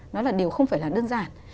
nó là điều không phải là đơn giản